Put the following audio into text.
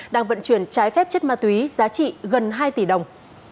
đang vận chuyển trái phép chất ma túy giá trị gần hai tỷ đồng